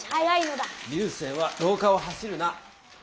流星はろうかを走るな。